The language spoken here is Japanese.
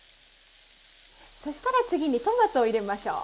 そしたら次にトマトを入れましょう。